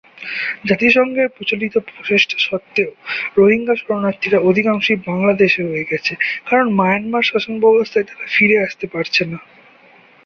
জাতিসংঘের প্রচলিত প্রচেষ্টা সত্ত্বেও, রোহিঙ্গা শরণার্থীরা অধিকাংশই বাংলাদেশে রয়ে গেছে, কারণ মায়ানমার শাসনাব্যবস্থায় তারা ফিরে আসতে পারছে না।